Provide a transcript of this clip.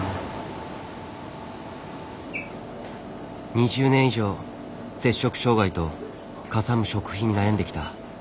２０年以上摂食障害とかさむ食費に悩んできた。